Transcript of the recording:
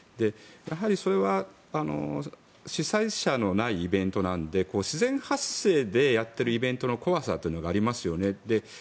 やはり、それは主催者のないイベントなので自然発生でやってるイベントの怖さというのがありますよね。